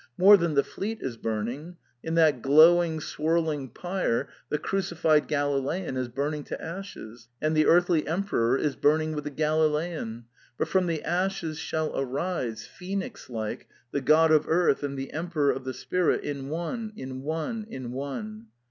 More than the fleet is burning. In that glowing, swirling pyre the crucified Galilean is burning to ashes; and the earthly emperor is burning with the Galilean. But from the ashes shall arise, phoenix like, the God of earth and the Emperor of the spirit in one, in one, in one."